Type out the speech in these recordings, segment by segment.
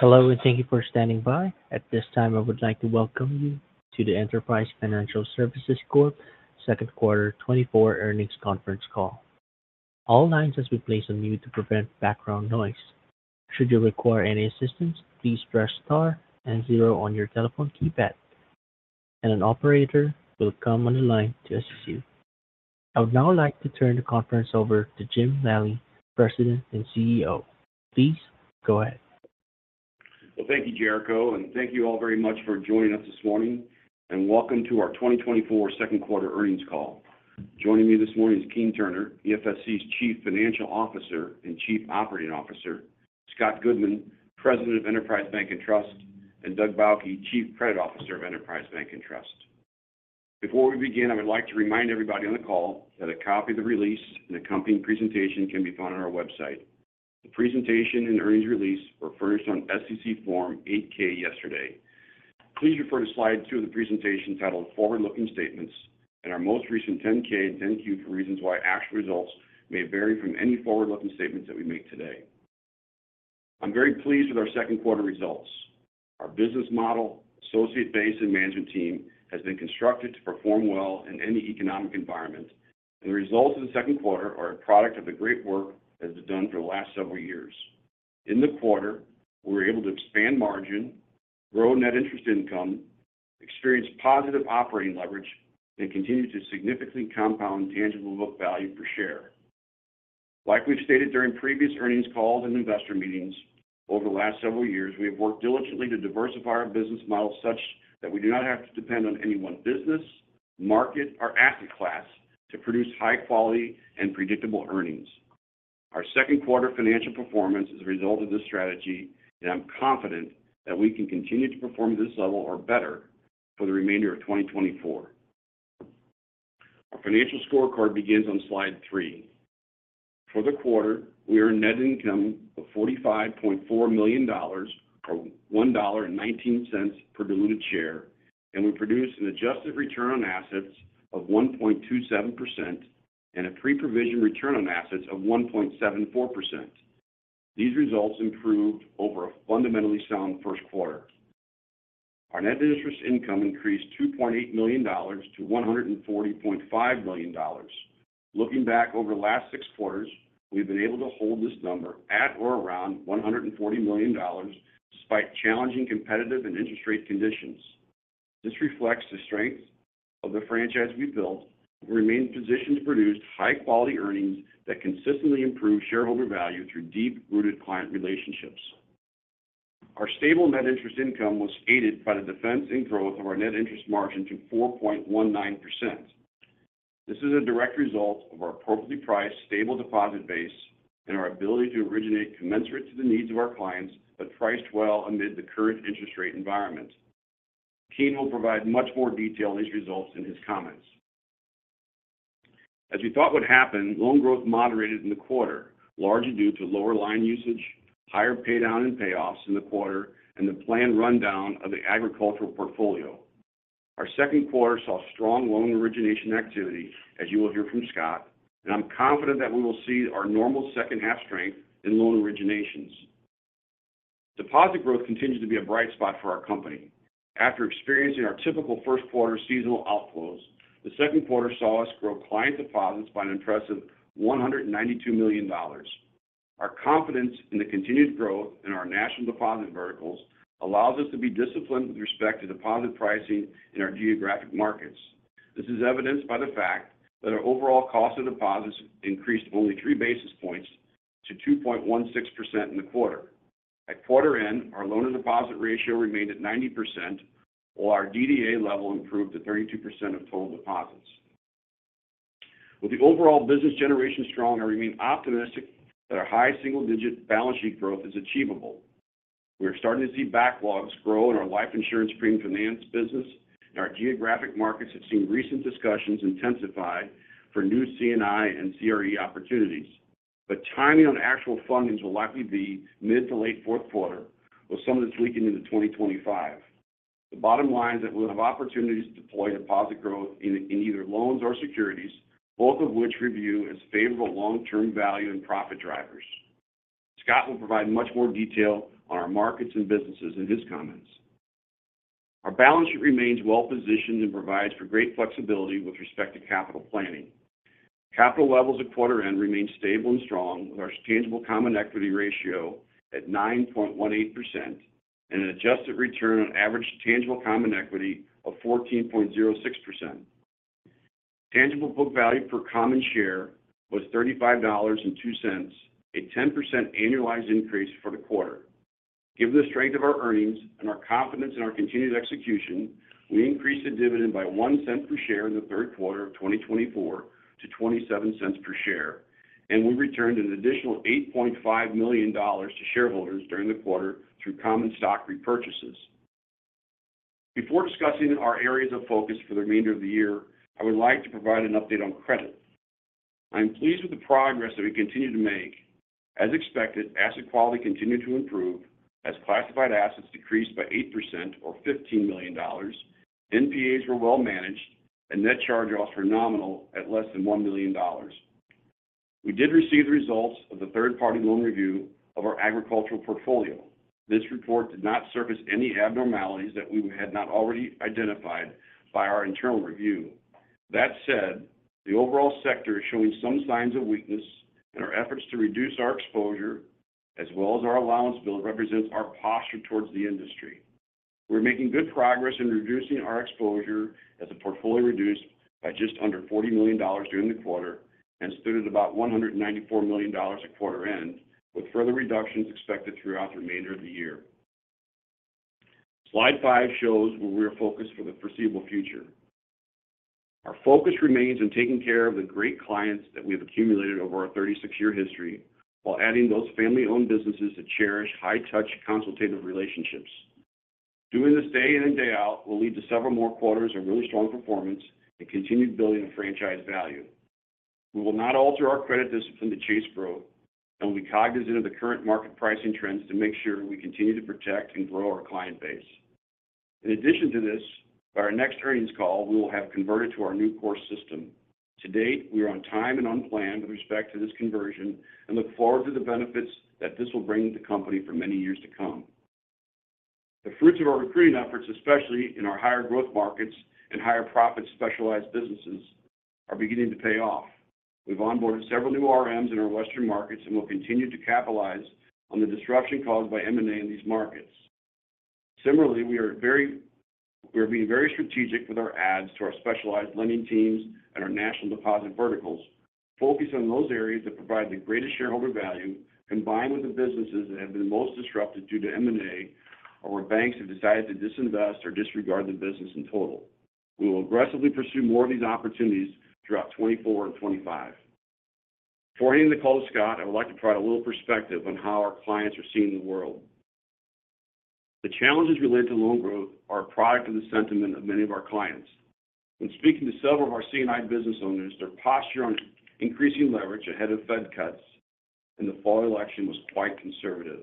Hello, and thank you for standing by. At this time, I would like to welcome you to the Enterprise Financial Services Corp Second Quarter 2024 Earnings Conference Call. All lines has been placed on mute to prevent background noise. Should you require any assistance, please press star and zero on your telephone keypad, and an operator will come on the line to assist you. I would now like to turn the conference over to Jim Lally, President and CEO. Please go ahead. Well, thank you, Jericho, and thank you all very much for joining us this morning, and welcome to our 2024 second quarter earnings call. Joining me this morning is Keene Turner, EFSC's Chief Financial Officer and Chief Operating Officer, Scott Goodman, President of Enterprise Bank and Trust, and Doug Bauche, Chief Credit Officer of Enterprise Bank and Trust. Before we begin, I would like to remind everybody on the call that a copy of the release and accompanying presentation can be found on our website. The presentation and earnings release were furnished on SEC Form 8-K yesterday. Please refer to slide two of the presentation titled Forward-Looking Statements and our most recent 10-K and 10-Q for reasons why actual results may vary from any forward-looking statements that we make today. I'm very pleased with our second quarter results. Our business model, associate base, and management team has been constructed to perform well in any economic environment. The results of the second quarter are a product of the great work that has done for the last several years. In the quarter, we were able to expand margin, grow net interest income, experience positive operating leverage, and continue to significantly compound tangible book value per share. Like we've stated during previous earnings calls and investor meetings, over the last several years, we have worked diligently to diversify our business model such that we do not have to depend on any one business, market, or asset class to produce high quality and predictable earnings. Our second quarter financial performance is a result of this strategy, and I'm confident that we can continue to perform at this level or better for the remainder of 2024. Our financial scorecard begins on slide 3. For the quarter, we earned net income of $45.4 million, or $1.19 per diluted share, and we produced an adjusted return on assets of 1.27% and a pre-provision return on assets of 1.74%. These results improved over a fundamentally sound first quarter. Our net interest income increased $2.8 million-$140.5 million. Looking back over the last six quarters, we've been able to hold this number at or around $140 million, despite challenging competitive and interest rate conditions. This reflects the strength of the franchise we've built. We remain positioned to produce high-quality earnings that consistently improve shareholder value through deep-rooted client relationships. Our stable net interest income was aided by the defense and growth of our net interest margin to 4.19%. This is a direct result of our appropriately priced, stable deposit base and our ability to originate commensurate to the needs of our clients, but priced well amid the current interest rate environment. Keene will provide much more detail on these results in his comments. As we thought would happen, loan growth moderated in the quarter, largely due to lower line usage, higher paydown and payoffs in the quarter, and the planned rundown of the agricultural portfolio. Our second quarter saw strong loan origination activity, as you will hear from Scott, and I'm confident that we will see our normal second half strength in loan originations. Deposit growth continues to be a bright spot for our company. After experiencing our typical first quarter seasonal outflows, the second quarter saw us grow client deposits by an impressive $192 million. Our confidence in the continued growth in our national deposit verticals allows us to be disciplined with respect to deposit pricing in our geographic markets. This is evidenced by the fact that our overall cost of deposits increased only three basis points to 2.16% in the quarter. At quarter end, our loan-to-deposit ratio remained at 90%, while our DDA level improved to 32% of total deposits. With the overall business generation strong, I remain optimistic that our high single-digit balance sheet growth is achievable. We are starting to see backlogs grow in our life insurance premium finance business, and our geographic markets have seen recent discussions intensify for new C&I and CRE opportunities, but timing on actual fundings will likely be mid to late fourth quarter, with some of it leaking into 2025. The bottom line is that we'll have opportunities to deploy deposit growth in either loans or securities, both of which we view as favorable long-term value and profit drivers. Scott will provide much more detail on our markets and businesses in his comments. Our balance sheet remains well positioned and provides for great flexibility with respect to capital planning. Capital levels at quarter end remain stable and strong, with our tangible common equity ratio at 9.18% and an adjusted return on average tangible common equity of 14.06%. Tangible Book Value per common share was $35.02, a 10% annualized increase for the quarter. Given the strength of our earnings and our confidence in our continued execution, we increased the dividend by $0.01 per share in the third quarter of 2024 to $0.27 per share, and we returned an additional $8.5 million to shareholders during the quarter through common stock repurchases. Before discussing our areas of focus for the remainder of the year, I would like to provide an update on credit. I am pleased with the progress that we continue to make. As expected, asset quality continued to improve as classified assets decreased by 8% or $15 million. NPAs were well managed, and net charge-offs were nominal at less than $1 million. We did receive the results of the third-party loan review of our agricultural portfolio. This report did not surface any abnormalities that we had not already identified by our internal review. That said, the overall sector is showing some signs of weakness, and our efforts to reduce our exposure, as well as our allowance build, represents our posture towards the industry. We're making good progress in reducing our exposure as the portfolio reduced by just under $40 million during the quarter and stood at about $194 million at quarter end, with further reductions expected throughout the remainder of the year. Slide five shows where we are focused for the foreseeable future. Our focus remains on taking care of the great clients that we've accumulated over our 36-year history, while adding those family-owned businesses that cherish high-touch, consultative relationships. Doing this day in and day out will lead to several more quarters of really strong performance and continued building of franchise value. We will not alter our credit discipline to chase growth, and we'll be cognizant of the current market pricing trends to make sure we continue to protect and grow our client base. In addition to this, by our next earnings call, we will have converted to our new core system. To date, we are on time and on plan with respect to this conversion and look forward to the benefits that this will bring to the company for many years to come. The fruits of our recruiting efforts, especially in our higher growth markets and higher profit specialized businesses, are beginning to pay off. We've onboarded several new RMs in our Western markets and will continue to capitalize on the disruption caused by M&A in these markets. Similarly, we are being very strategic with our adds to our specialized lending teams and our national deposit verticals, focused on those areas that provide the greatest shareholder value, combined with the businesses that have been most disrupted due to M&A or where banks have decided to disinvest or disregard the business in total. We will aggressively pursue more of these opportunities throughout 2024 and 2025. Before handing the call to Scott, I would like to provide a little perspective on how our clients are seeing the world. The challenges related to loan growth are a product of the sentiment of many of our clients. When speaking to several of our C&I business owners, their posture on increasing leverage ahead of Fed cuts in the fall election was quite conservative.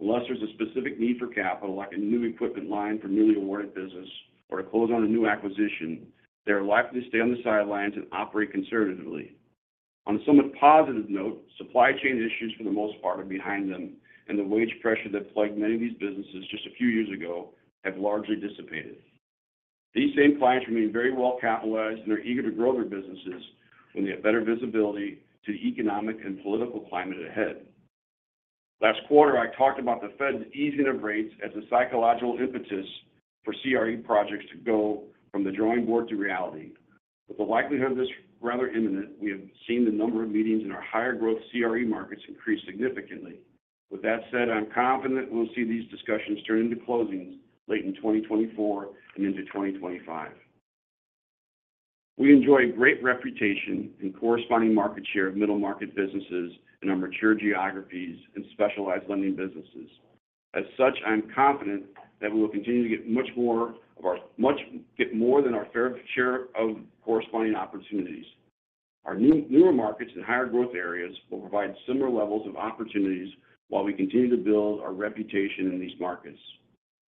Unless there's a specific need for capital, like a new equipment line for newly awarded business or to close on a new acquisition, they are likely to stay on the sidelines and operate conservatively. On a somewhat positive note, supply chain issues, for the most part, are behind them, and the wage pressure that plagued many of these businesses just a few years ago have largely dissipated. These same clients remain very well capitalized and are eager to grow their businesses when they have better visibility to the economic and political climate ahead. Last quarter, I talked about the Fed easing their rates as a psychological impetus for CRE projects to go from the drawing board to reality. With the likelihood of this rather imminent, we have seen the number of meetings in our higher growth CRE markets increase significantly. With that said, I'm confident we'll see these discussions turn into closings late in 2024 and into 2025. We enjoy a great reputation and corresponding market share of middle-market businesses in our mature geographies and specialized lending businesses. As such, I'm confident that we will continue to get much more than our fair share of corresponding opportunities. Our newer markets and higher growth areas will provide similar levels of opportunities while we continue to build our reputation in these markets.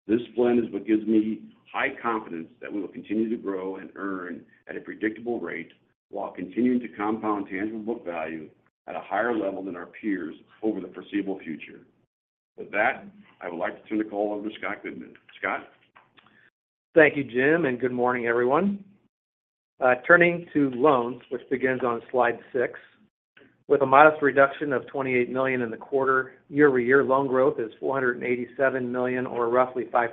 This blend is what gives me high confidence that we will continue to grow and earn at a predictable rate while continuing to compound tangible book value at a higher level than our peers over the foreseeable future. With that, I would like to turn the call over to Scott Goodman. Scott? Thank you, Jim, and good morning, everyone. Turning to loans, which begins on slide 6, with a modest reduction of $28 million in the quarter, year-over-year loan growth is $487 million, or roughly 5%.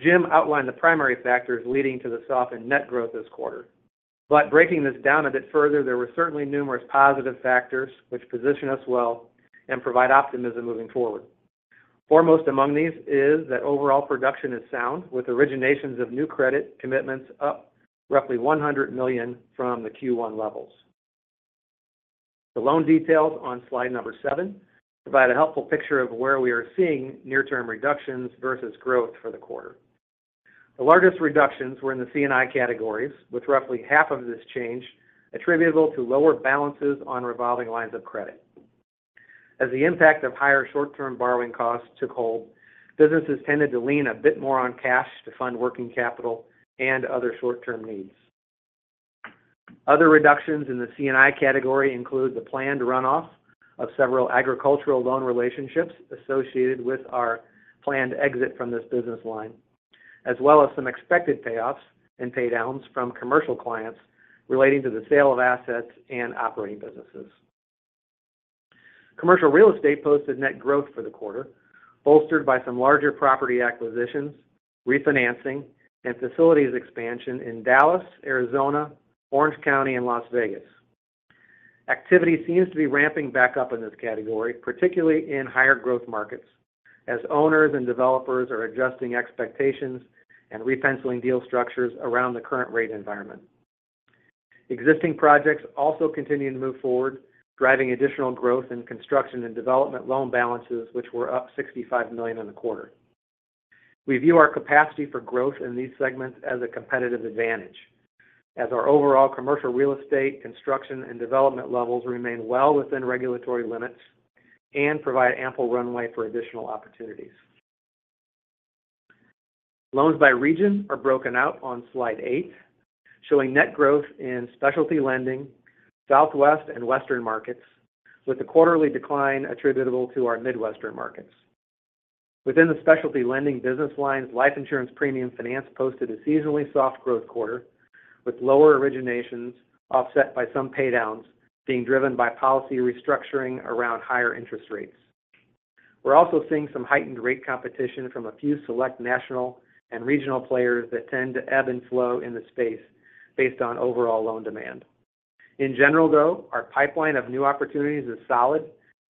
Jim outlined the primary factors leading to the soften net growth this quarter. But breaking this down a bit further, there were certainly numerous positive factors which position us well and provide optimism moving forward. Foremost among these is that overall production is sound, with originations of new credit commitments up roughly $100 million from the Q1 levels. The loan details on slide seven provide a helpful picture of where we are seeing near-term reductions versus growth for the quarter. The largest reductions were in the C&I categories, with roughly half of this change attributable to lower balances on revolving lines of credit. As the impact of higher short-term borrowing costs took hold, businesses tended to lean a bit more on cash to fund working capital and other short-term needs. Other reductions in the C&I category include the planned runoff of several agricultural loan relationships associated with our planned exit from this business line, as well as some expected payoffs and paydowns from commercial clients relating to the sale of assets and operating businesses. Commercial real estate posted net growth for the quarter, bolstered by some larger property acquisitions, refinancing, and facilities expansion in Dallas, Arizona, Orange County, and Las Vegas. Activity seems to be ramping back up in this category, particularly in higher growth markets, as owners and developers are adjusting expectations and re-penciling deal structures around the current rate environment. Existing projects also continuing to move forward, driving additional growth in construction and development loan balances, which were up $65 million in the quarter. We view our capacity for growth in these segments as a competitive advantage, as our overall commercial real estate, construction, and development levels remain well within regulatory limits and provide ample runway for additional opportunities. Loans by region are broken out on slide eight, showing net growth in specialty lending, Southwest and Western markets, with a quarterly decline attributable to our Midwestern markets. Within the specialty lending business lines, life insurance premium finance posted a seasonally soft growth quarter, with lower originations offset by some paydowns being driven by policy restructuring around higher interest rates. We're also seeing some heightened rate competition from a few select national and regional players that tend to ebb and flow in the space based on overall loan demand. In general, though, our pipeline of new opportunities is solid,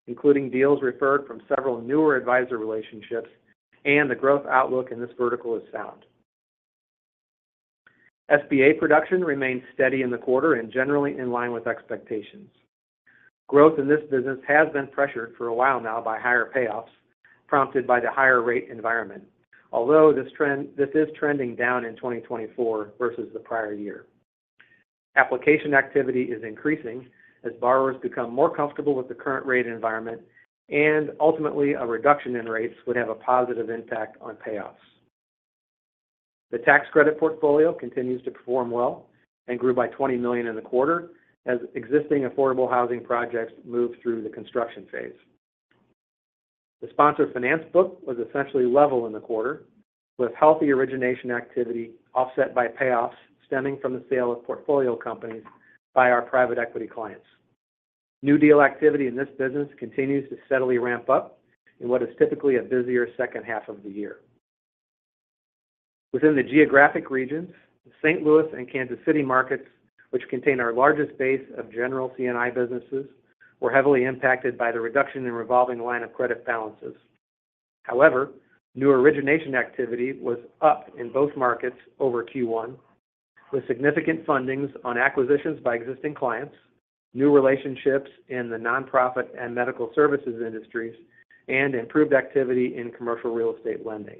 including deals referred from several newer advisor relationships, and the growth outlook in this vertical is sound. SBA production remained steady in the quarter and generally in line with expectations. Growth in this business has been pressured for a while now by higher payoffs, prompted by the higher rate environment. Although this trend is trending down in 2024 versus the prior year. Application activity is increasing as borrowers become more comfortable with the current rate environment, and ultimately, a reduction in rates would have a positive impact on payoffs. The tax credit portfolio continues to perform well and grew by $20 million in the quarter as existing affordable housing projects move through the construction phase. The sponsor finance book was essentially level in the quarter, with healthy origination activity offset by payoffs stemming from the sale of portfolio companies by our private equity clients. New deal activity in this business continues to steadily ramp up in what is typically a busier second half of the year. Within the geographic regions, the St. Louis and Kansas City markets, which contain our largest base of general C&I businesses, were heavily impacted by the reduction in revolving line of credit balances. However, new origination activity was up in both markets over Q1, with significant fundings on acquisitions by existing clients, new relationships in the nonprofit and medical services industries, and improved activity in commercial real estate lending.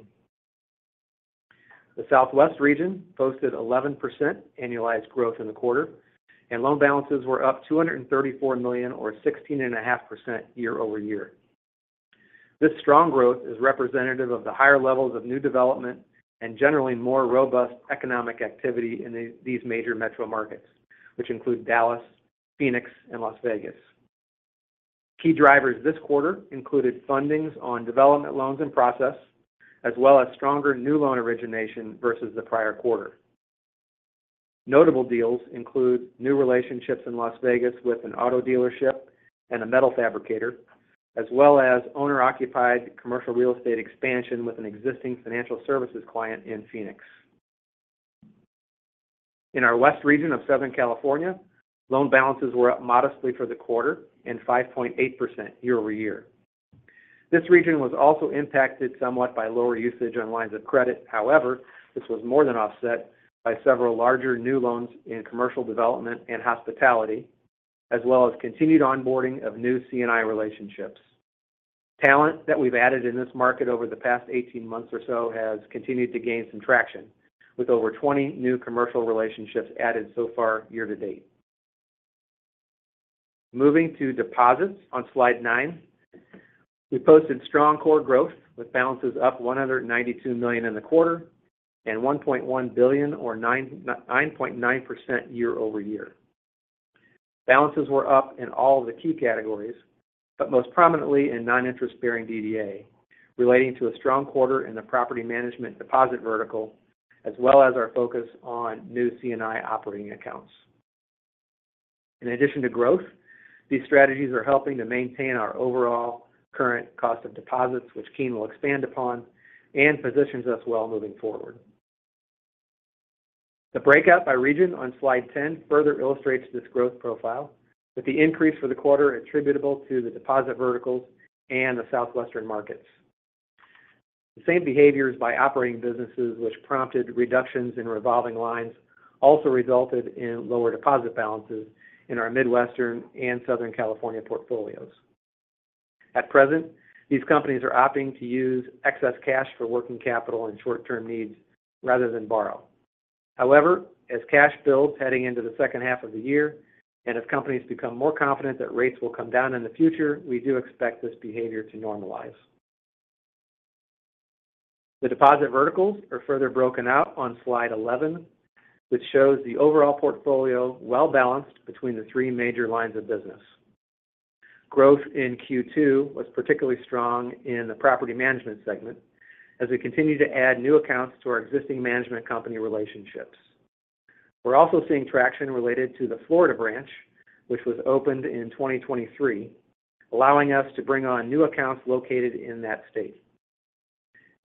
The Southwest region posted 11% annualized growth in the quarter, and loan balances were up $234 million or 16.5% year-over-year. This strong growth is representative of the higher levels of new development and generally more robust economic activity in these major metro markets, which include Dallas, Phoenix, and Las Vegas. Key drivers this quarter included fundings on development loans and process, as well as stronger new loan origination versus the prior quarter. Notable deals include new relationships in Las Vegas with an auto dealership and a metal fabricator, as well as owner-occupied commercial real estate expansion with an existing financial services client in Phoenix. In our West region of Southern California, loan balances were up modestly for the quarter and 5.8% year-over-year. This region was also impacted somewhat by lower usage on lines of credit. However, this was more than offset by several larger new loans in commercial development and hospitality, as well as continued onboarding of new C&I relationships. Talent that we've added in this market over the past 18 months or so has continued to gain some traction, with over 20 new commercial relationships added so far year to date. Moving to deposits on slide nine. We posted strong core growth, with balances up $192 million in the quarter and $1.1 billion or 9.9% year-over-year. Balances were up in all the key categories, but most prominently in non-interest bearing DDA, relating to a strong quarter in the property management deposit vertical, as well as our focus on new C&I operating accounts. In addition to growth, these strategies are helping to maintain our overall current cost of deposits, which Keene will expand upon, and positions us well moving forward. The breakout by region on slide 10 further illustrates this growth profile, with the increase for the quarter attributable to the deposit verticals and the Southwestern markets. The same behaviors by operating businesses, which prompted reductions in revolving lines, also resulted in lower deposit balances in our Midwestern and Southern California portfolios. At present, these companies are opting to use excess cash for working capital and short-term needs rather than borrow. However, as cash builds heading into the second half of the year, and as companies become more confident that rates will come down in the future, we do expect this behavior to normalize. The deposit verticals are further broken out on slide 11, which shows the overall portfolio well-balanced between the three major lines of business. Growth in Q2 was particularly strong in the property management segment as we continue to add new accounts to our existing management company relationships. We're also seeing traction related to the Florida branch, which was opened in 2023, allowing us to bring on new accounts located in that state.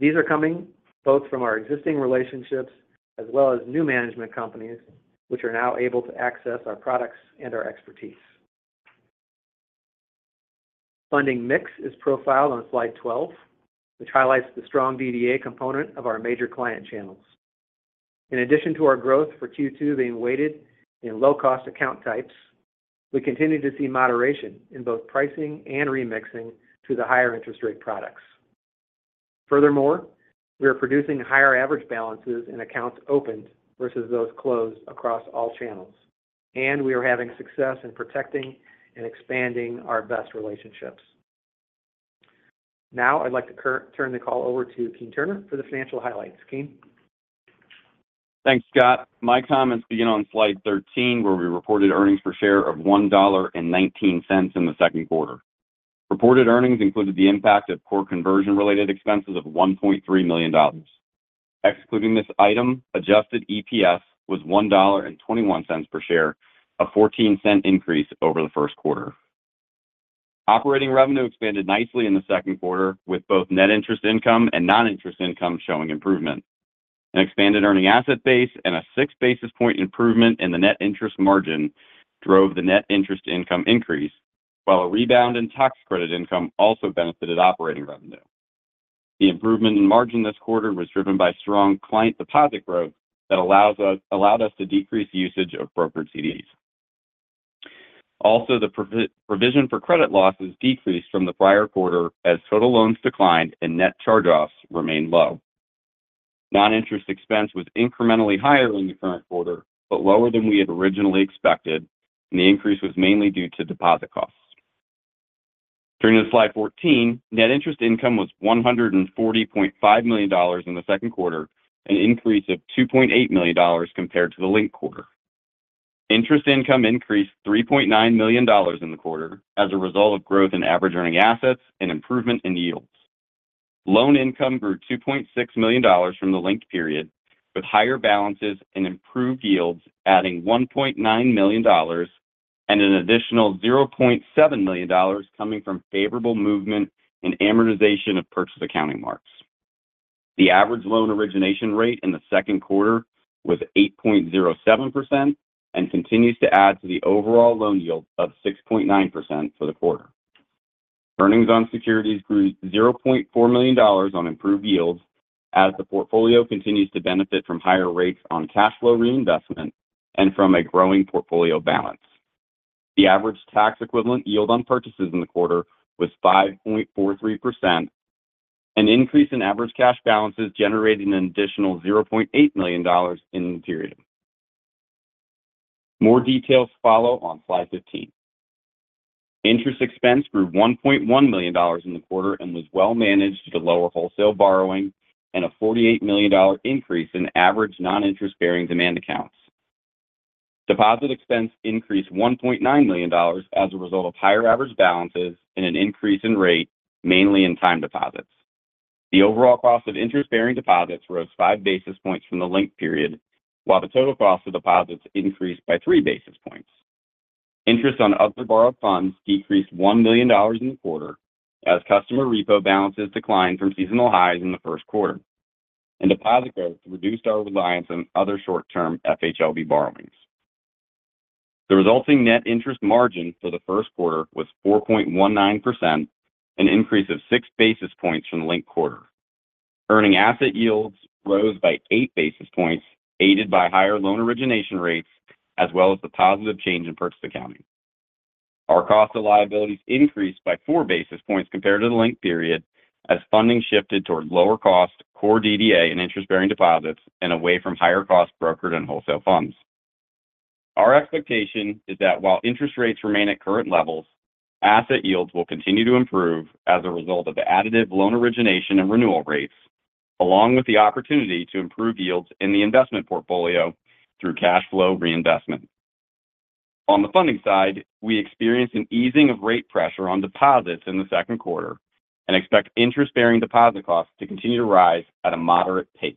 These are coming both from our existing relationships as well as new management companies, which are now able to access our products and our expertise. Funding mix is profiled on slide 12, which highlights the strong DDA component of our major client channels. In addition to our growth for Q2 being weighted in low-cost account types, we continue to see moderation in both pricing and remixing to the higher interest rate products. Furthermore, we are producing higher average balances in accounts opened versus those closed across all channels, and we are having success in protecting and expanding our best relationships. Now I'd like to turn the call over to Keene Turner for the financial highlights. Keene? Thanks, Scott. My comments begin on slide 13, where we reported earnings per share of $1.19 in the second quarter. Reported earnings included the impact of core conversion-related expenses of $1.3 million. Excluding this item, adjusted EPS was $1.21 per share, a $0.14 increase over the first quarter. Operating revenue expanded nicely in the second quarter, with both net interest income and non-interest income showing improvement. An expanded earning asset base and a 6 basis point improvement in the net interest margin drove the net interest income increase, while a rebound in tax credit income also benefited operating revenue. The improvement in margin this quarter was driven by strong client deposit growth that allowed us to decrease usage of brokered CDs. Also, the provision for credit losses decreased from the prior quarter as total loans declined and net charge-offs remained low. Noninterest expense was incrementally higher than the current quarter, but lower than we had originally expected, and the increase was mainly due to deposit costs. Turning to slide 14, net interest income was $140.5 million in the second quarter, an increase of $2.8 million compared to the linked quarter. Interest income increased $3.9 million in the quarter as a result of growth in average earning assets and improvement in yields. Loan income grew $2.6 million from the linked period, with higher balances and improved yields, adding $1.9 million and an additional $0.7 million coming from favorable movement in amortization of purchase accounting marks. The average loan origination rate in the second quarter was 8.07% and continues to add to the overall loan yield of 6.9% for the quarter. Earnings on securities grew $0.4 million on improved yields as the portfolio continues to benefit from higher rates on cash flow reinvestment and from a growing portfolio balance. The average tax equivalent yield on purchases in the quarter was 5.43%, an increase in average cash balances generating an additional $0.8 million in the period. More details follow on slide 15. Interest expense grew $1.1 million in the quarter and was well managed to lower wholesale borrowing and a $48 million increase in average non-interest-bearing demand accounts. Deposit expense increased $1.9 million as a result of higher average balances and an increase in rate, mainly in time deposits. The overall cost of interest-bearing deposits rose 5 basis points from the linked period, while the total cost of deposits increased by 3 basis points. Interest on other borrowed funds decreased $1 million in the quarter as customer repo balances declined from seasonal highs in the first quarter, and deposit growth reduced our reliance on other short-term FHLB borrowings. The resulting net interest margin for the first quarter was 4.19%, an increase of 6 basis points from the linked quarter. Earning asset yields rose by 8 basis points, aided by higher loan origination rates, as well as the positive change in purchase accounting. Our cost of liabilities increased by 4 basis points compared to the linked period, as funding shifted toward lower cost, core DDA and interest-bearing deposits, and away from higher cost brokered and wholesale funds. Our expectation is that while interest rates remain at current levels, asset yields will continue to improve as a result of the additive loan origination and renewal rates, along with the opportunity to improve yields in the investment portfolio through cash flow reinvestment. On the funding side, we experienced an easing of rate pressure on deposits in the second quarter and expect interest-bearing deposit costs to continue to rise at a moderate pace.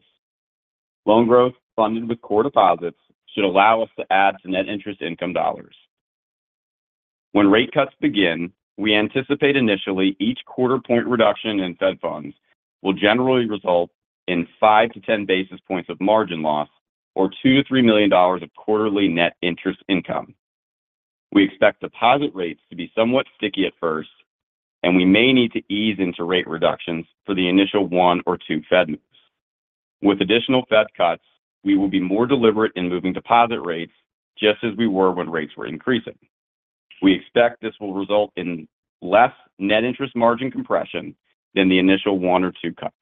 Loan growth funded with core deposits should allow us to add to net interest income dollars. When rate cuts begin, we anticipate initially each quarter-point reduction in Fed Funds will generally result in five to 10 basis points of margin loss or $2 million-$3 million of quarterly net interest income. We expect deposit rates to be somewhat sticky at first, and we may need to ease into rate reductions for the initial one or two Fed moves. With additional Fed cuts, we will be more deliberate in moving deposit rates just as we were when rates were increasing. We expect this will result in less net interest margin compression than the initial one or two cuts.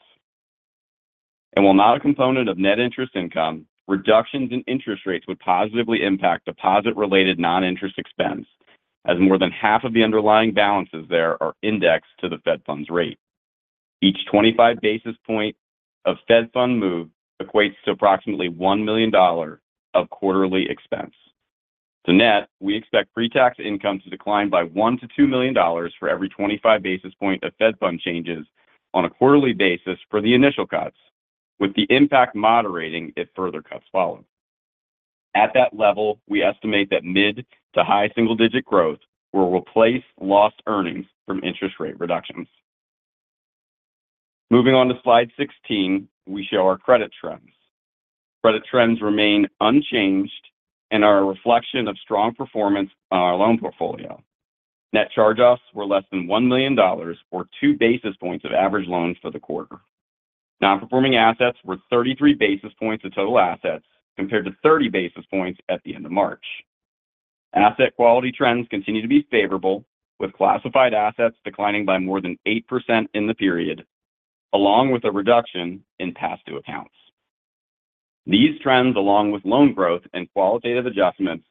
And while not a component of net interest income, reductions in interest rates would positively impact deposit-related non-interest expense, as more than half of the underlying balances there are indexed to the Fed Funds rate. Each 25 basis points of Fed Funds move equates to approximately $1 million of quarterly expense. So net, we expect pre-tax income to decline by $1 million-$2 million for every 25 basis points of Fed Funds changes on a quarterly basis for the initial cuts, with the impact moderating if further cuts follow. At that level, we estimate that mid- to high single-digit growth will replace lost earnings from interest rate reductions. Moving on to slide 16, we show our credit trends. Credit trends remain unchanged and are a reflection of strong performance on our loan portfolio. Net charge-offs were less than $1 million, or 2 basis points of average loans for the quarter. Non-performing assets were 33 basis points of total assets, compared to 30 basis points at the end of March. Asset quality trends continue to be favorable, with classified assets declining by more than 8% in the period, along with a reduction in past due accounts. These trends, along with loan growth and qualitative adjustments,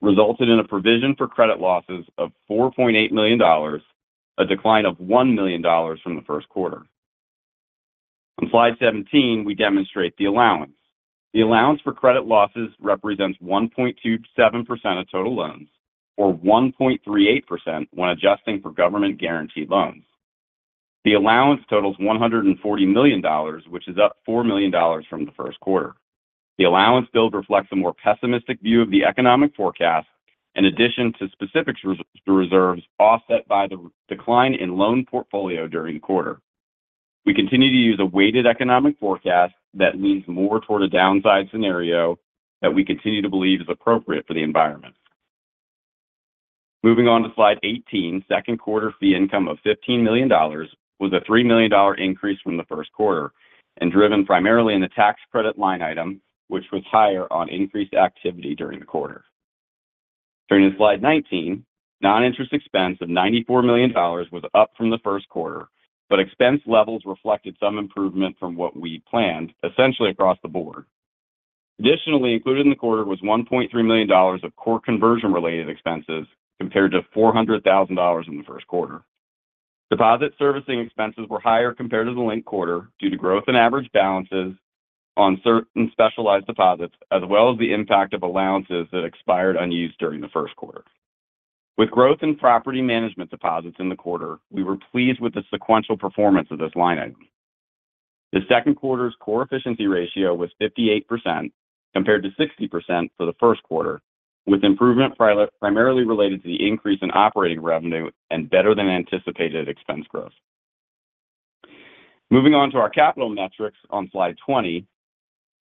resulted in a provision for credit losses of $4.8 million, a decline of $1 million from the first quarter. On slide 17, we demonstrate the allowance. The allowance for credit losses represents 1.27% of total loans or 1.38% when adjusting for government-guaranteed loans. The allowance totals $140 million, which is up $4 million from the first quarter. The allowance build reflects a more pessimistic view of the economic forecast, in addition to specific reserves offset by the decline in loan portfolio during the quarter. We continue to use a weighted economic forecast that leans more toward a downside scenario that we continue to believe is appropriate for the environment. Moving on to slide 18, second quarter fee income of $15 million was a $3 million increase from the first quarter and driven primarily in the tax credit line item, which was higher on increased activity during the quarter. Turning to slide 19, non-interest expense of $94 million was up from the first quarter, but expense levels reflected some improvement from what we planned, essentially across the board. Additionally, included in the quarter was $1.3 million of core conversion-related expenses, compared to $400,000 in the first quarter. Deposit servicing expenses were higher compared to the linked quarter due to growth in average balances on certain specialized deposits, as well as the impact of allowances that expired unused during the first quarter. With growth in property management deposits in the quarter, we were pleased with the sequential performance of this line item. The second quarter's core efficiency ratio was 58%, compared to 60% for the first quarter, with improvement primarily related to the increase in operating revenue and better than anticipated expense growth. Moving on to our capital metrics on slide 20.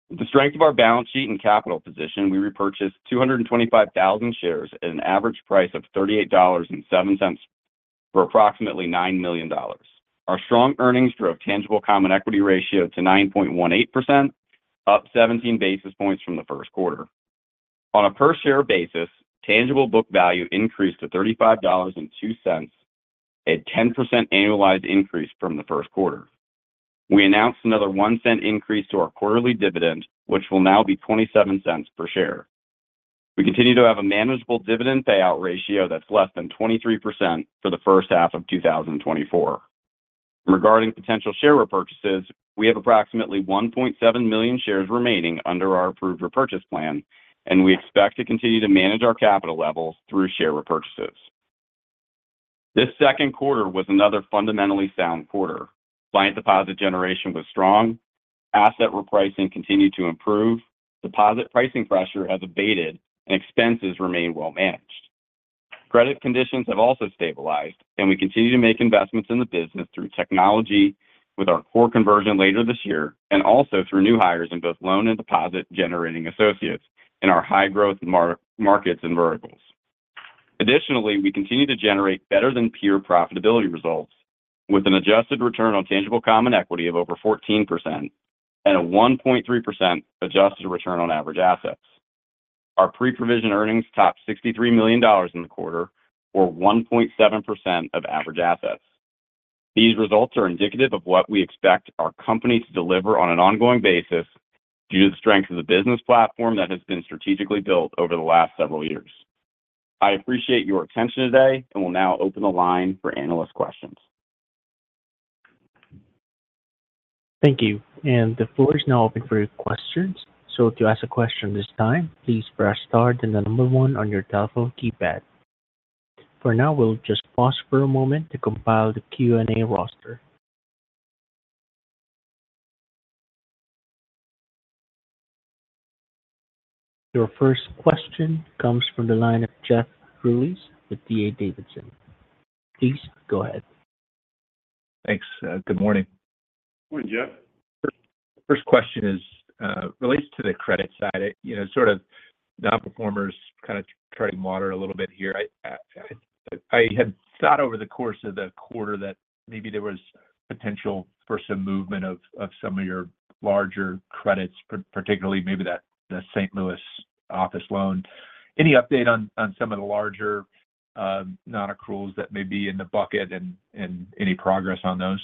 With the strength of our balance sheet and capital position, we repurchased 225,000 shares at an average price of $38.07 for approximately $9 million. Our strong earnings drove tangible common equity ratio to 9.18%, up 17 basis points from the first quarter. On a per-share basis, tangible book value increased to $35.02, a 10% annualized increase from the first quarter. We announced another $0.01 increase to our quarterly dividend, which will now be $0.27 per share. We continue to have a manageable dividend payout ratio that's less than 23% for the first half of 2024. Regarding potential share repurchases, we have approximately 1.7 million shares remaining under our approved repurchase plan, and we expect to continue to manage our capital levels through share repurchases. This second quarter was another fundamentally sound quarter. Client deposit generation was strong, asset repricing continued to improve, deposit pricing pressure has abated, and expenses remain well managed. Credit conditions have also stabilized, and we continue to make investments in the business through technology with our core conversion later this year, and also through new hires in both loan and deposit-generating associates in our high-growth markets and verticals. Additionally, we continue to generate better than peer profitability results with an adjusted return on tangible common equity of over 14% and a 1.3% adjusted return on average assets. Our pre-provision earnings topped $63 million in the quarter or 1.7% of average assets. These results are indicative of what we expect our company to deliver on an ongoing basis due to the strength of the business platform that has been strategically built over the last several years. I appreciate your attention today and will now open the line for analyst questions. Thank you, and the floor is now open for your questions. So to ask a question this time, please press star then the number one on your telephone keypad. For now, we'll just pause for a moment to compile the Q&A roster. Your first question comes from the line of Jeff Rulis with D.A. Davidson. Please go ahead. Thanks. Good morning. Good morning, Jeff. First question relates to the credit side. You know, sort of nonperformers kind of treading water a little bit here. I had thought over the course of the quarter that maybe there was potential for some movement of some of your larger credits, particularly maybe that, the St. Louis office loan. Any update on some of the larger nonaccruals that may be in the bucket and any progress on those?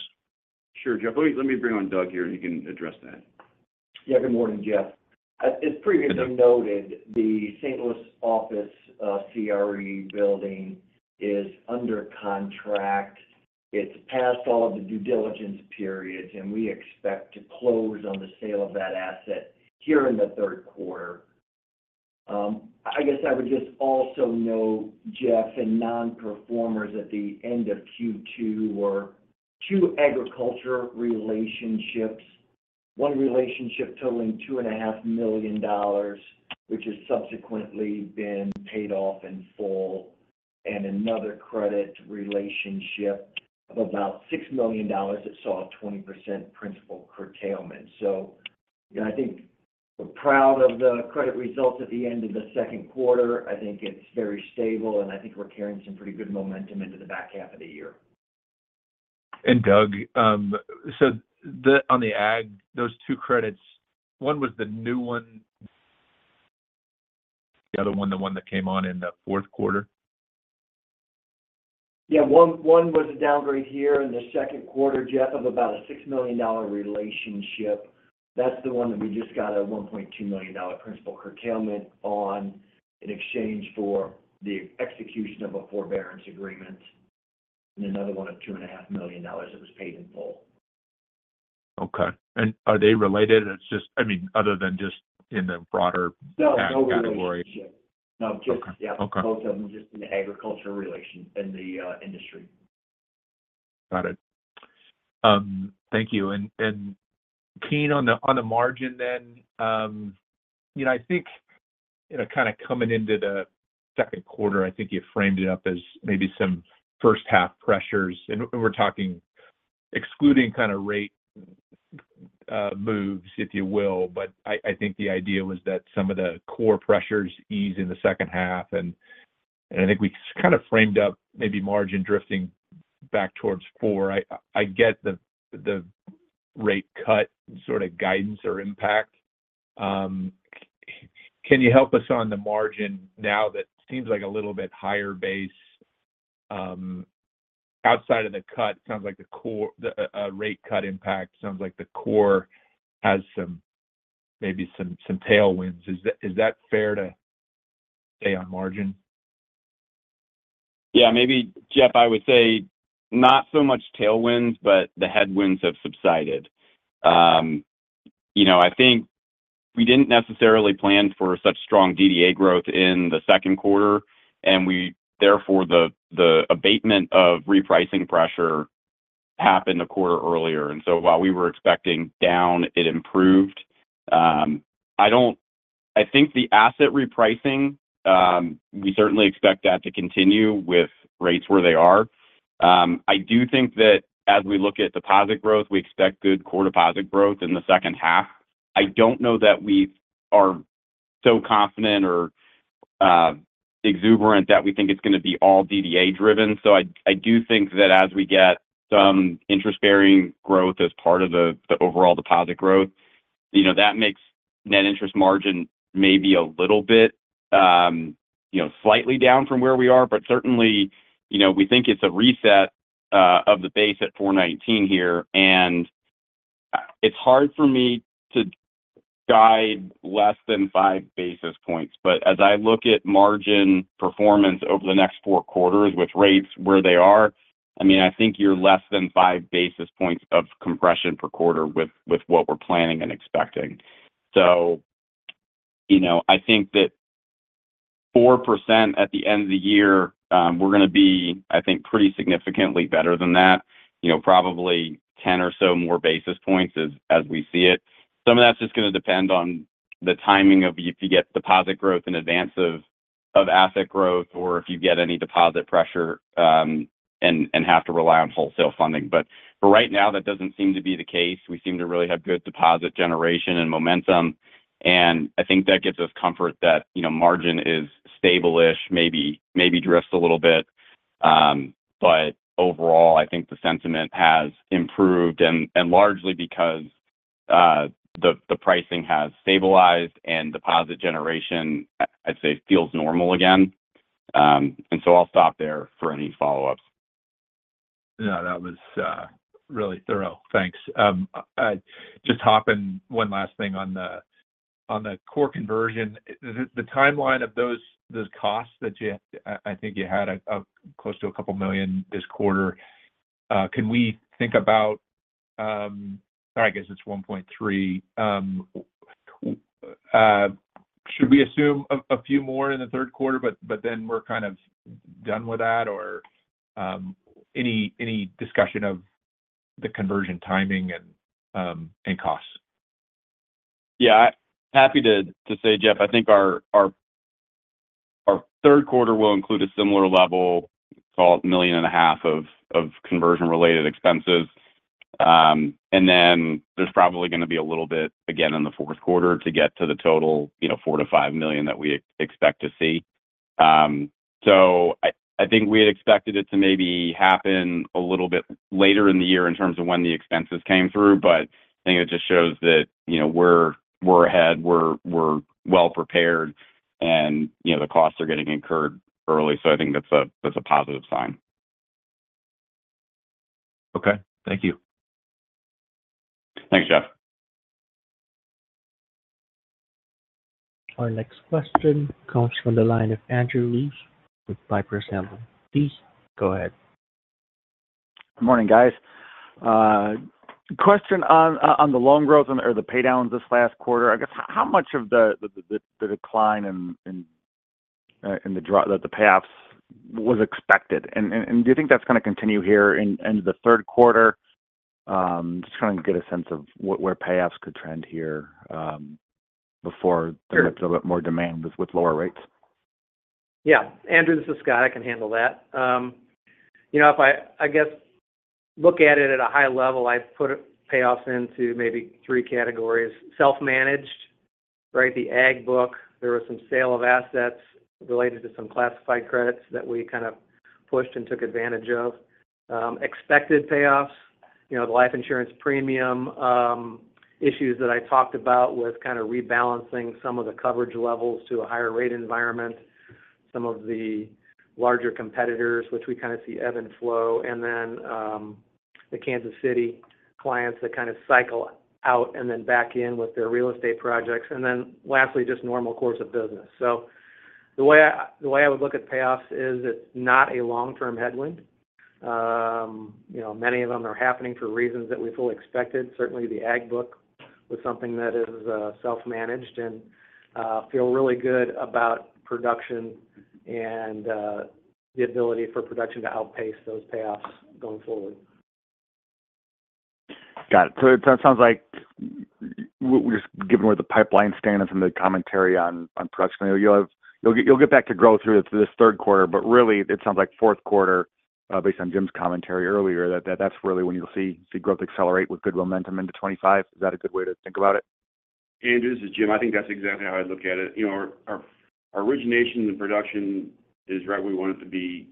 Sure, Jeff. Let me, let me bring on Doug here, and he can address that. Yeah, good morning, Jeff. As previously noted, the St. Louis office, CRE building is under contract. It's passed all of the due diligence periods, and we expect to close on the sale of that asset here in the third quarter. I guess I would just also note, Jeff, in nonperformers at the end of Q2 were two agriculture relationships. One relationship totaling $2.5 million, which has subsequently been paid off in full, and another credit relationship of about $6 million that saw a 20% principal curtailment. So I think we're proud of the credit results at the end of the second quarter. I think it's very stable, and I think we're carrying some pretty good momentum into the back half of the year. And Doug, so on the ag, those two credits, one was the new one. The other one, the one that came on in the fourth quarter? Yeah, one was a downgrade here in the second quarter, Jeff, of about a $6 million relationship. That's the one that we just got a $1.2 million principal curtailment on in exchange for the execution of a forbearance agreement, and another one of $2.5 million that was paid in full. Okay. And are they related? It's just-- I mean, other than just in the broader- No, no relationship. -category. No, just- Okay. Okay Yeah, both of them just in the agricultural relation in the industry. Got it. Thank you. And, Keene, on the margin then, you know, I think, you know, kind of coming into the second quarter, I think you framed it up as maybe some first half pressures. And we're talking excluding kind of rate moves, if you will. But I think the idea was that some of the core pressures ease in the second half, and I think we kind of framed up maybe margin drifting back towards four. I get the rate cut sort of guidance or impact. Can you help us on the margin now? That seems like a little bit higher base outside of the cut. Sounds like the core, the rate cut impact sounds like the core has some, maybe some tailwinds. Is that fair to say on margin? Yeah. Maybe, Jeff, I would say not so much tailwinds, but the headwinds have subsided. You know, I think we didn't necessarily plan for such strong DDA growth in the second quarter, and therefore the abatement of repricing pressure happened a quarter earlier. And so while we were expecting down, it improved. I don't. I think the asset repricing, we certainly expect that to continue with rates where they are. I do think that as we look at deposit growth, we expect good core deposit growth in the second half. I don't know that we are so confident or exuberant that we think it's gonna be all DDA driven. So I do think that as we get some interest-bearing growth as part of the overall deposit growth, you know, that makes net interest margin maybe a little bit, you know, slightly down from where we are. But certainly, you know, we think it's a reset of the base at 4.19 here, and it's hard for me to guide less than 5 basis points. But as I look at margin performance over the next four quarters with rates where they are, I mean, I think you're less than 5 basis points of compression per quarter with what we're planning and expecting. So, you know, I think that 4% at the end of the year, we're gonna be, I think, pretty significantly better than that. You know, probably 10 or so more basis points as we see it. Some of that's just gonna depend on the timing of if you get deposit growth in advance of asset growth or if you get any deposit pressure, and have to rely on wholesale funding. But for right now, that doesn't seem to be the case. We seem to really have good deposit generation and momentum, and I think that gives us comfort that, you know, margin is stable-ish, maybe drifts a little bit. But overall, I think the sentiment has improved and largely because the pricing has stabilized and deposit generation, I'd say, feels normal again. And so I'll stop there for any follow-ups. Yeah, that was really thorough. Thanks. Just hopping one last thing on the Core Conversion. The timeline of those costs that you—I think you had close to $2 million this quarter. Can we think about—or I guess it's $1.3 million. Should we assume a few more in the third quarter, but then we're kind of done with that? Or any discussion of the conversion timing and costs? Yeah. Happy to say, Jeff, I think our third quarter will include a similar level, call it $1.5 million of conversion-related expenses. And then there's probably gonna be a little bit again in the fourth quarter to get to the total, you know, $4 million-$5 million that we expect to see. So I think we had expected it to maybe happen a little bit later in the year in terms of when the expenses came through, but I think it just shows that, you know, we're well prepared, and, you know, the costs are getting incurred early. So I think that's a positive sign. Okay. Thank you. Thanks, Jeff. Our next question comes from the line of Andrew Liesch with Piper Sandler. Please, go ahead. Good morning, guys. Question on the loan growth or the paydowns this last quarter. I guess, how much of the decline in the payoffs was expected? And do you think that's gonna continue here into the third quarter? Just trying to get a sense of where payoffs could trend here, before- Sure... there's a bit more demand with lower rates. Yeah. Andrew, this is Scott. I can handle that. You know, if I guess look at it at a high level, I've put payoffs into maybe three categories: self-managed, right? The ag book, there were some sale of assets related to some classified credits that we kind of pushed and took advantage of. Expected payoffs—you know, the life insurance premium issues that I talked about was kind of rebalancing some of the coverage levels to a higher rate environment. Some of the larger competitors, which we kind of see ebb and flow, and then the Kansas City clients that kind of cycle out and then back in with their real estate projects. And then lastly, just normal course of business. So the way I would look at payoffs is it's not a long-term headwind. You know, many of them are happening for reasons that we fully expected. Certainly, the ag book was something that is self-managed and feel really good about production and the ability for production to outpace those payoffs going forward. Got it. So it sounds like just given where the pipeline standing from the commentary on, on production, you'll have—you'll get, you'll get back to growth through this third quarter, but really, it sounds like fourth quarter, based on Jim's commentary earlier, that, that's really when you'll see, see growth accelerate with good momentum into 2025. Is that a good way to think about it? Andrew, this is Jim. I think that's exactly how I'd look at it. You know, our origination and production is right where we want it to be.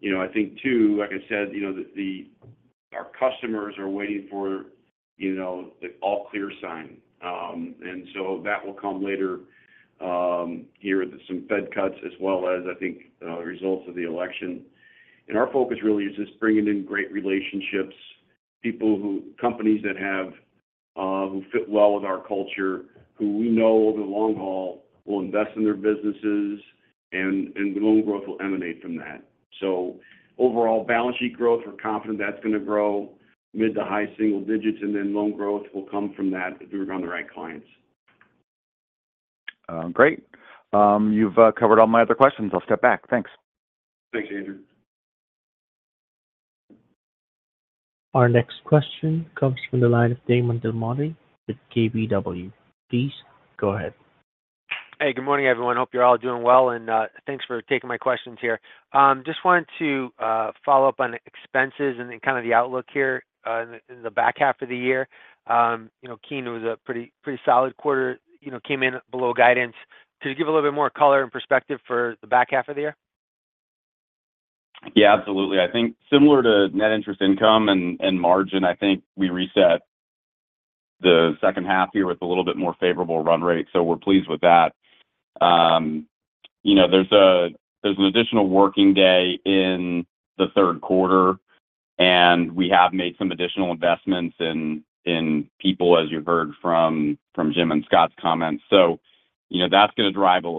You know, I think too, like I said, you know, our customers are waiting for, you know, the all-clear sign. And so that will come later, here with some Fed cuts as well as, I think, the results of the election. And our focus really is just bringing in great relationships, companies that have who fit well with our culture, who we know over the long haul will invest in their businesses, and the loan growth will emanate from that. So overall, balance sheet growth, we're confident that's going to grow mid to high single digits, and then loan growth will come from that if we run the right clients. Great. You've covered all my other questions. I'll step back. Thanks. Thanks, Andrew. Our next question comes from the line of Damon DelMonte with KBW. Please go ahead. Hey, good morning, everyone. Hope you're all doing well, and thanks for taking my questions here. Just wanted to follow up on expenses and then kind of the outlook here in the back half of the year. You know, Keene, it was a pretty, pretty solid quarter, you know, came in below guidance. Could you give a little bit more color and perspective for the back half of the year? Yeah, absolutely. I think similar to net interest income and margin, I think we reset the second half here with a little bit more favorable run rate, so we're pleased with that. You know, there's an additional working day in the third quarter, and we have made some additional investments in people, as you heard from Jim and Scott's comments. So, you know, that's going to drive a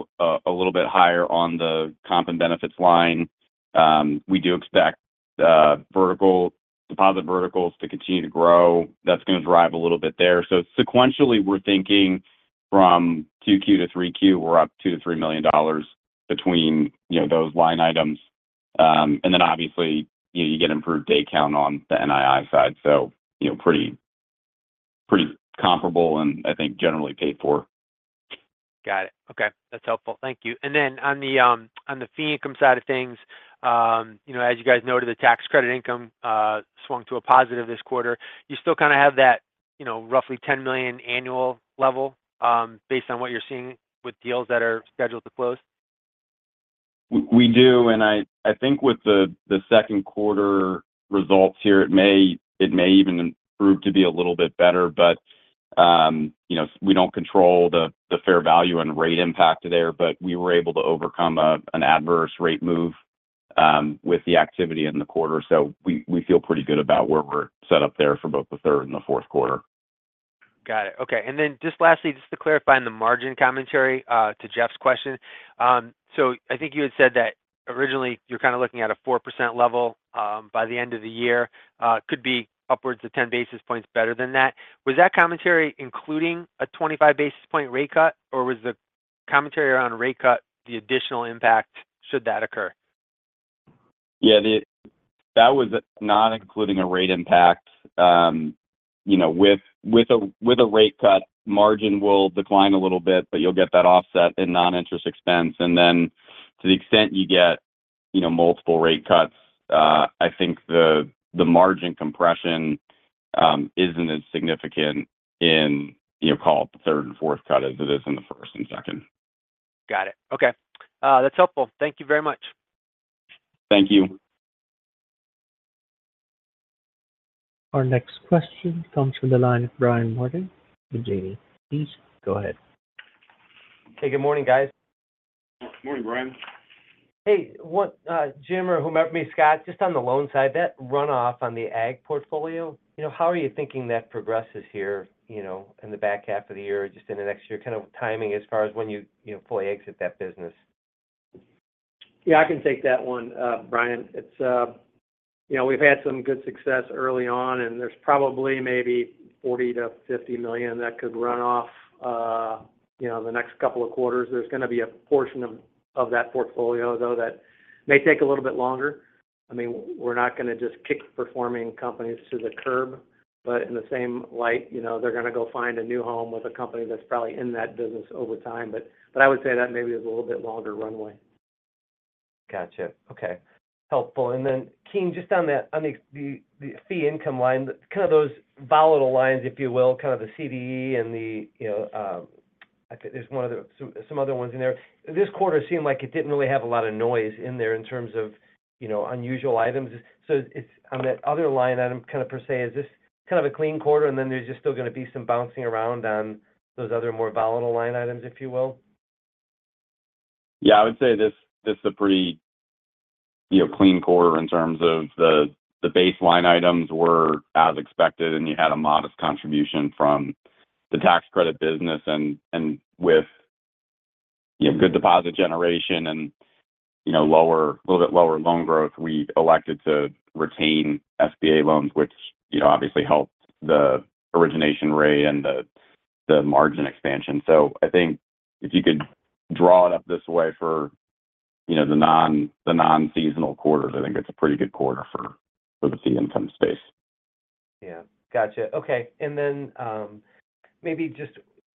little bit higher on the comp and benefits line. We do expect deposit verticals to continue to grow. That's going to drive a little bit there. So sequentially, we're thinking from 2Q to 3Q, we're up $2-$3 million between, you know, those line items. And then obviously, you get improved day count on the NII side, so, you know, pretty comparable and I think generally paid for. Got it. Okay, that's helpful. Thank you. And then on the, on the fee income side of things, you know, as you guys noted, the tax credit income swung to a positive this quarter. You still kind of have that, you know, roughly $10 million annual level, based on what you're seeing with deals that are scheduled to close? We do, and I think with the second quarter results here, it may even prove to be a little bit better, but, you know, we don't control the fair value and rate impact there, but we were able to overcome an adverse rate move with the activity in the quarter. So we feel pretty good about where we're set up there for both the third and the fourth quarter. Got it. Okay. And then just lastly, just to clarify on the margin commentary, to Jeff's question. So I think you had said that originally you're kind of looking at a 4% level, by the end of the year, could be upwards of 10 basis points better than that. Was that commentary including a 25 basis point rate cut, or was the commentary on a rate cut the additional impact should that occur? Yeah, that was not including a rate impact. You know, with a rate cut, margin will decline a little bit, but you'll get that offset in non-interest expense. And then to the extent you get, you know, multiple rate cuts, I think the margin compression isn't as significant in, you know, call it the third and fourth cut as it is in the first and second. Got it. Okay, that's helpful. Thank you very much. Thank you. Our next question comes from the line of Brian Martin with Janney. Please go ahead. Hey, good morning, guys. Morning, Brian. Hey, what, Jim or whomever, maybe Scott, just on the loan side, that runoff on the ag portfolio, you know, how are you thinking that progresses here, you know, in the back half of the year or just in the next year, kind of timing as far as when you, you know, fully exit that business? Yeah, I can take that one, Brian. It's, you know, we've had some good success early on, and there's probably maybe $40 million-$50 million that could run off, you know, the next couple of quarters. There's going to be a portion of that portfolio, though, that may take a little bit longer. I mean, we're not going to just kick performing companies to the curb, but in the same light, you know, they're going to go find a new home with a company that's probably in that business over time. But I would say that maybe is a little bit longer runway. Gotcha. Okay. Helpful. And then, Keene, just on the fee income line, kind of those volatile lines, if you will, kind of the CDE and the, you know,... I think there's one other, some, some other ones in there. This quarter seemed like it didn't really have a lot of noise in there in terms of, you know, unusual items. So it's, on that other line item, kind of, per se, is this kind of a clean quarter, and then there's just still gonna be some bouncing around on those other more volatile line items, if you will? Yeah, I would say this is a pretty, you know, clean quarter in terms of the baseline items were as expected, and you had a modest contribution from the tax credit business. And with, you know, good deposit generation and, you know, lower, a little bit lower loan growth, we elected to retain SBA loans, which, you know, obviously helped the origination rate and the margin expansion. So I think if you could draw it up this way for, you know, the non-seasonal quarters, I think it's a pretty good quarter for the fee income space. Yeah. Gotcha. Okay. And then, maybe just,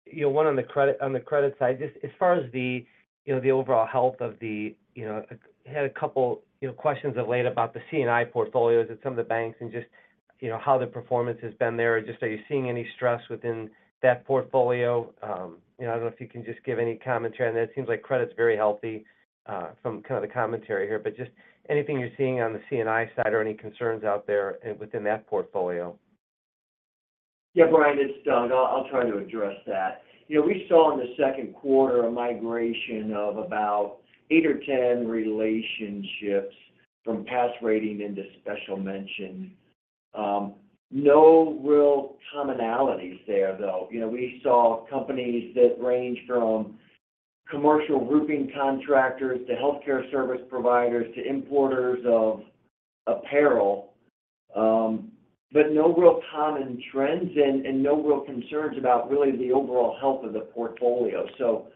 you know, one on the credit—on the credit side. Just as far as the, you know, the overall health of the, you know, had a couple, you know, questions of late about the C&I portfolios at some of the banks and just, you know, how the performance has been there. Just are you seeing any stress within that portfolio? You know, I don't know if you can just give any commentary on that. It seems like credit's very healthy, from kind of the commentary here, but just anything you're seeing on the C&I side or any concerns out there, within that portfolio? Yeah, Brian, it's Doug. I'll, I'll try to address that. You know, we saw in the second quarter a migration of about 8 or 10 relationships from pass rating into special mention. No real commonalities there, though. You know, we saw companies that range from commercial roofing contractors to healthcare service providers to importers of apparel, but no real common trends and, and no real concerns about really the overall health of the portfolio. So,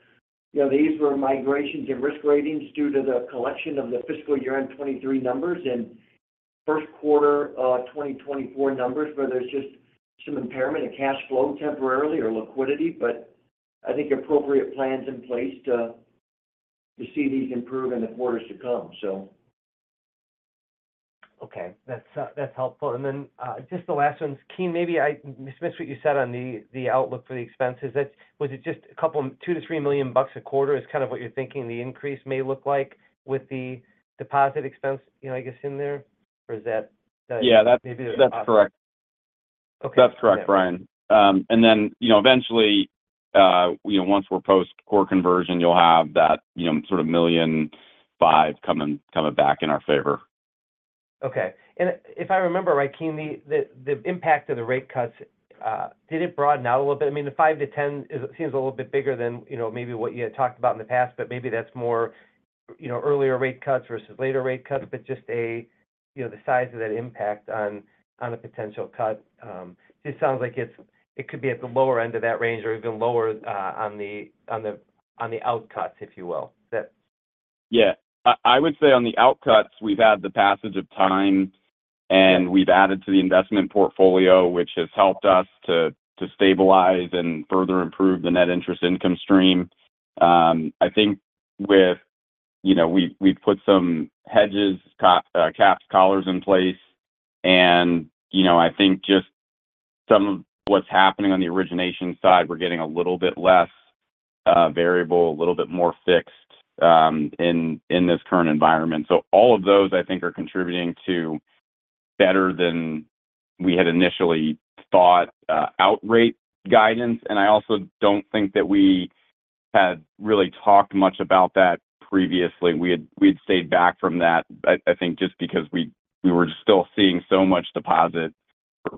you know, these were migrations and risk ratings due to the collection of the fiscal year-end 2023 numbers and first quarter, 2024 numbers, where there's just some impairment in cash flow temporarily or liquidity. But I think appropriate plans in place to, to see these improve in the quarters to come, so. Okay. That's, that's helpful. And then, just the last one, Keene, maybe I missed what you said on the outlook for the expenses. That... Was it just a couple, $2 million-$3 million a quarter is kind of what you're thinking the increase may look like with the deposit expense, you know, I guess, in there? Or is that- Yeah, that- Maybe that's- That's correct. Okay. That's correct, Brian. And then, you know, eventually, you know, once we're post core conversion, you'll have that, you know, sort of $1.5 million coming, coming back in our favor. Okay. And if I remember right, Keene, the impact of the rate cuts, did it broaden out a little bit? I mean, the 5-10 seems a little bit bigger than, you know, maybe what you had talked about in the past, but maybe that's more, you know, earlier rate cuts versus later rate cuts. But just a, you know, the size of that impact on a potential cut. It sounds like it could be at the lower end of that range or even lower, on the rate cuts, if you will. That- Yeah. I would say on the outlooks, we've had the passage of time, and we've added to the investment portfolio, which has helped us to stabilize and further improve the net interest income stream. I think with, you know, we've put some hedges, caps, collars in place and, you know, I think just some of what's happening on the origination side, we're getting a little bit less variable, a little bit more fixed, in this current environment. So all of those, I think, are contributing to better than we had initially thought our rate guidance, and I also don't think that we had really talked much about that previously. We had stayed back from that, I think, just because we were still seeing so much deposit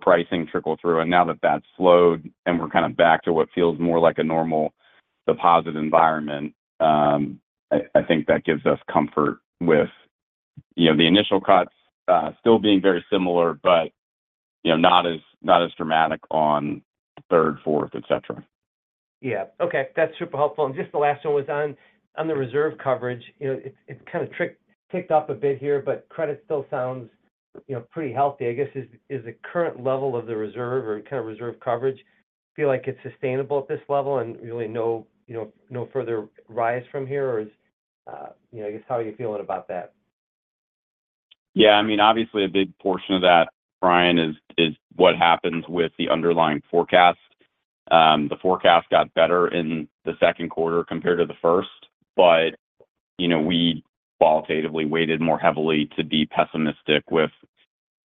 pricing trickle through. Now that that's slowed and we're kind of back to what feels more like a normal deposit environment, I think that gives us comfort with, you know, the initial cuts still being very similar, but, you know, not as dramatic on third, fourth, et cetera. Yeah. Okay, that's super helpful. And just the last one was on the reserve coverage. You know, it, it's kind of ticked up a bit here, but credit still sounds, you know, pretty healthy. I guess, is the current level of the reserve or kind of reserve coverage feel like it's sustainable at this level and really no, you know, no further rise from here, or is... You know, I guess, how are you feeling about that? Yeah, I mean, obviously a big portion of that, Brian, is, is what happens with the underlying forecast. The forecast got better in the second quarter compared to the first, but, you know, we qualitatively weighted more heavily to be pessimistic with...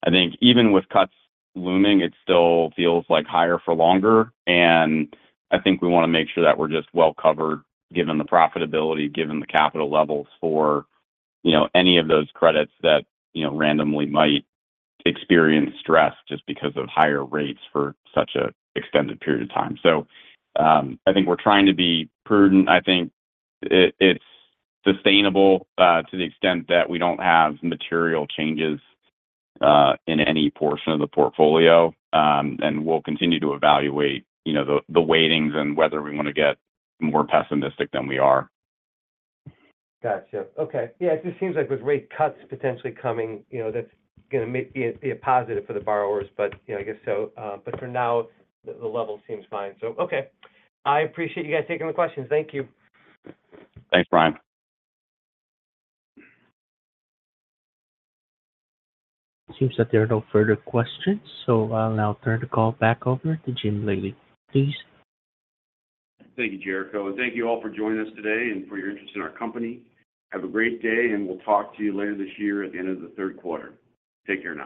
I think even with cuts looming, it still feels like higher for longer, and I think we want to make sure that we're just well covered, given the profitability, given the capital levels for, you know, any of those credits that, you know, randomly might experience stress just because of higher rates for such an extended period of time. So, I think we're trying to be prudent. I think it, it's sustainable, to the extent that we don't have material changes, in any portion of the portfolio. We'll continue to evaluate, you know, the weightings and whether we want to get more pessimistic than we are. Gotcha. Okay. Yeah, it just seems like with rate cuts potentially coming, you know, that's gonna be a positive for the borrowers. But, you know, I guess so, but for now, the level seems fine. So, okay. I appreciate you guys taking the questions. Thank you. Thanks, Brian. Seems that there are no further questions, so I'll now turn the call back over to Jim Lally, please. Thank you, Jericho, and thank you all for joining us today and for your interest in our company. Have a great day, and we'll talk to you later this year at the end of the third quarter. Take care now.